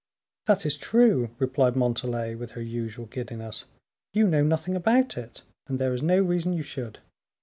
"That is true," replied Montalais, with her usual giddiness; "you know nothing about it, and there is no reason you should.